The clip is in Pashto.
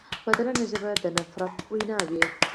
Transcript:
بدرنګه ژبه د نفرت وینا وي